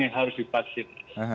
yang harus dipaksin